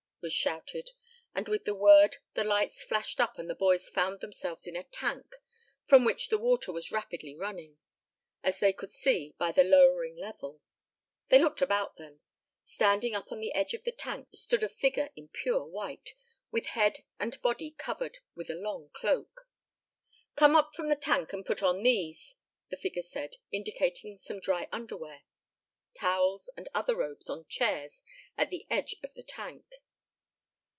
was shouted, and with the word the lights flashed up and the boys found themselves in a tank, from which the water was rapidly running, as they could see by the lowering level. They looked about them. Standing up on the edge of the tank stood a figure in pure white, with head and body covered with a long cloak. "Come up from the tank and put on these," the figure said, indicating some dry underwear, towels and other robes on chairs at the edge of the tank.